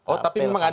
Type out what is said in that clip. oh tapi mengatakan